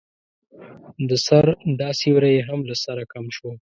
د سر دا سيوری يې هم له سره کم شو.